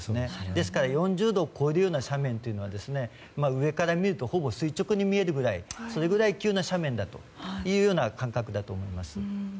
ですから４０度を超えるような斜面は上から見るとほぼ垂直に見えるそれぐらい急な斜面だというような感覚だと思います。